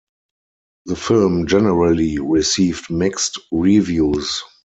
The film generally received mixed reviews.